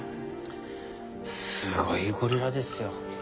すごいゴリラですよ。